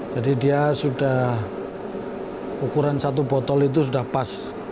dia sudah ukuran satu botol itu sudah pas